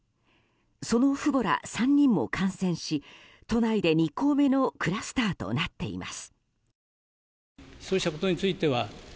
その父母ら３人も感染し都内で２校目のクラスターとなっています。